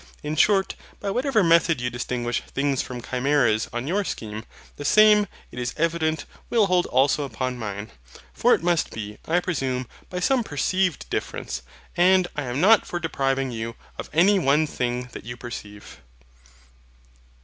In short, by whatever method you distinguish THINGS FROM CHIMERAS on your scheme, the same, it is evident, will hold also upon mine. For, it must be, I presume, by some perceived difference; and I am not for depriving you of any one thing that you perceive.